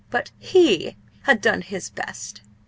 But he had done his best.